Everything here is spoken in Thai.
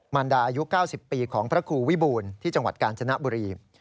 มันดาอายุ๙๐ปีของพระครูวิบูรณ์ที่จังหวัดกาญจนบุรี